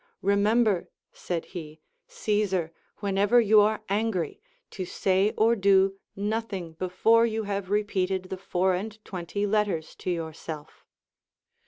Remember, said he, Caesar, whenever you are angry, to say or do nothing before you have repeated the four and twenty letters to yourself.